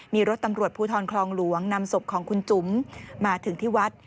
มีรถตำรวจภูทรคลองหลวงนำศพของคุณจุ๋มมาถึงที่วัด